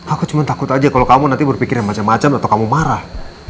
aku cuma takut aja kalau kamu nanti berpikirnya macam macam atau kamu marah